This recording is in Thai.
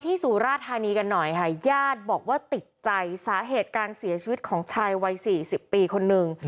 สุราธานีกันหน่อยค่ะญาติบอกว่าติดใจสาเหตุการเสียชีวิตของชายวัยสี่สิบปีคนนึง